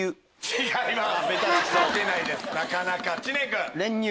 違います。